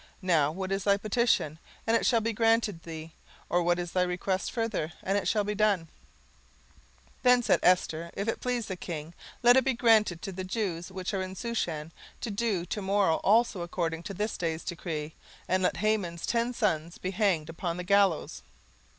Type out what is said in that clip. now what is thy petition? and it shall be granted thee: or what is thy request further? and it shall be done. 17:009:013 Then said Esther, If it please the king, let it be granted to the Jews which are in Shushan to do to morrow also according unto this day's decree, and let Haman's ten sons be hanged upon the gallows.